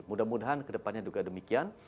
mudah mudahan kedepannya juga demikian